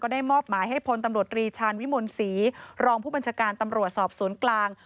ได้มอบหมายให้พลตำรวจรีชาญวิมลศรีรองผู้บัญชาการตำรวจสอบสวนกลาง